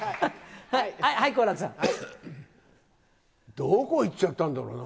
どこ行っちゃったんだろうな？